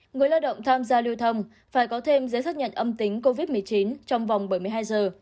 người lao động tham gia lưu thông phải có thêm giấy xác nhận âm tính covid một mươi chín trong vòng bảy mươi hai giờ